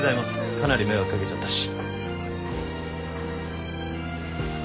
かなり迷惑掛けちゃったし。